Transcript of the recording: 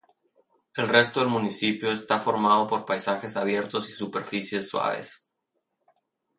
El resto del municipio está formado por paisajes abiertos y superficies suaves.